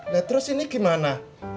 nah terus ini gimana